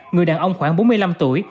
người đàn ông khoảng bốn mươi năm tuổi